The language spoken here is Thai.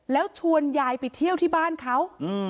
แล้วชวนยายไปเที่ยวที่บ้านเขา